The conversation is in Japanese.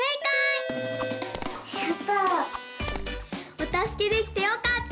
おたすけできてよかった！